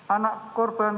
anak korban delapan